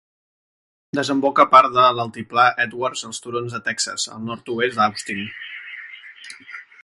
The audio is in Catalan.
Desemboca part de l'altiplà Edwards als Turons de Texas, al nord-oest d'Austin.